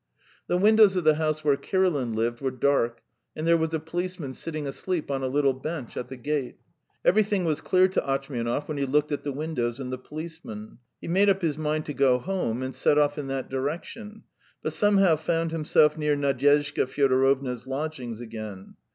The windows of the house where Kirilin lived were dark, and there was a policeman sitting asleep on a little bench at the gate. Everything was clear to Atchmianov when he looked at the windows and the policeman. He made up his mind to go home, and set off in that direction, but somehow found himself near Nadyezhda Fyodorovna's lodgings again.